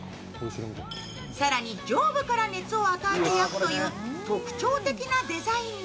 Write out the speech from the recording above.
更に上部から熱を与えて焼くという特徴的なデザインの